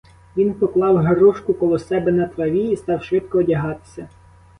Він поклав грушку коло себе на траві і став швидко одягатися.